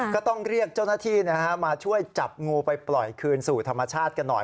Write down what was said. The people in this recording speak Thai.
ก็ต้องเรียกเจ้าหน้าที่มาช่วยจับงูไปปล่อยคืนสู่ธรรมชาติกันหน่อย